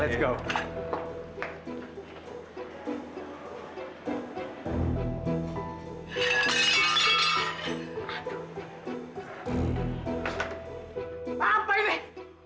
kamu tidak akan menang jika saya menang